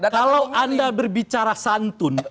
kalau anda berbicara santun